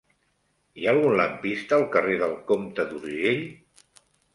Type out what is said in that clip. Hi ha algun lampista al carrer del Comte d'Urgell?